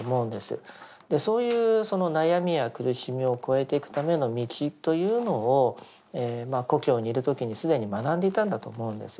そういうその悩みや苦しみを超えていくための道というのを故郷にいる時に既に学んでいたんだと思うんです。